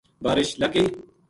بارش لگ گئی